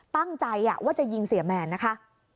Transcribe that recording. ตั้งใจว่าจะยิงเสียแมนนะคะ